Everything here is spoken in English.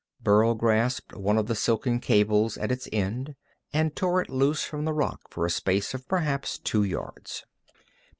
Burl grasped one of the silken cables at its end and tore it loose from the rock for a space of perhaps two yards.